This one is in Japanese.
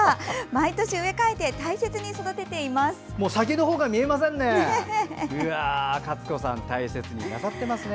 毎年、植え替えて大切に育てています。